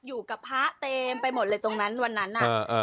อยู่กับพระเต็มไปหมดเลยตรงนั้นวันนั้นน่ะ